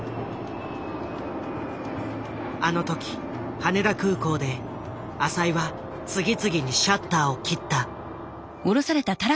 あの時羽田空港で浅井は次々にシャッターを切った。